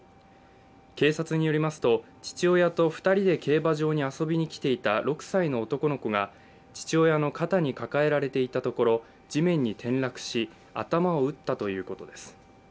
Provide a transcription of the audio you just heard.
警察によりますと、父親と２人で競馬場に遊びにきていた６歳の男の子が父親の肩に抱えられていたところ地面に転落し頭を打ったということです。